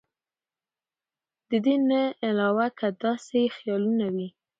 د دې نه علاوه کۀ داسې خيالونه وي